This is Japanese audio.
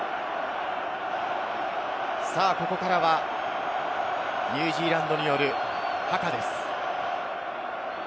ここからはニュージーランドによるハカです。